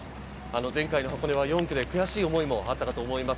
前回の箱根は４区で悔しい思いもあったかと思います。